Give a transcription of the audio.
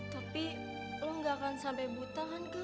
tapi lo gak akan sampai buta kan kak